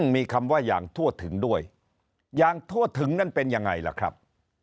มีคำว่าอย่างทั่วถึงด้วยอย่างทั่วถึงนั่นเป็นยังไงล่ะครับ